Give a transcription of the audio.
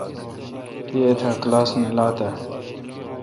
تی ایتھان کلاس نہ لات اؘ۔